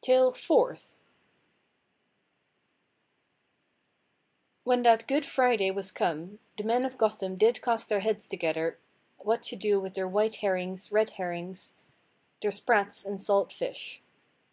TALE FOURTH. When that Good Friday was come the men of Gotham did cast their heads together what to do with their white herrings, red herrings, their sprats, and salt fish.